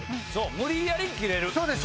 無理やりキレる。